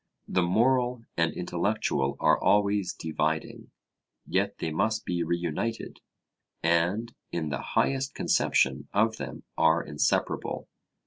The moral and intellectual are always dividing, yet they must be reunited, and in the highest conception of them are inseparable.